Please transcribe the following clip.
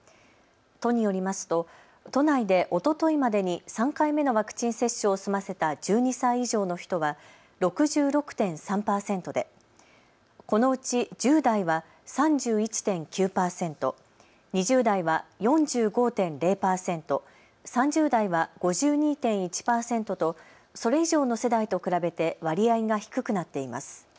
都によりますと都内でおとといまでに３回目のワクチン接種を済ませた１２歳以上の人は６６．３％でこのうち１０代は３１．９％、２０代は４５．０％、３０代は５２．１％とそれ以上の世代と比べて割合が低くなっています。